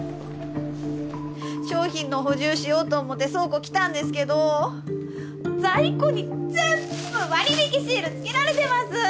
商品の補充しようと思って倉庫来たんですけど在庫に全部割引シールつけられてます！